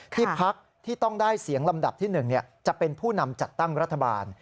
ที่พักที่ต้องได้เสียงลำดับที่๑จะเป็นผู้นำจัดตั้งรัฐบาล